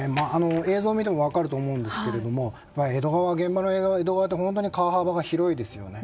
映像を見ても分かると思うんですけど江戸川って本当に川幅が広いですよね。